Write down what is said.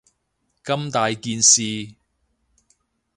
咁大件事